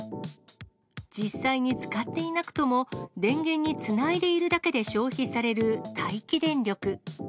実際に使っていなくとも、電源につないでいるだけで消費される待機電力。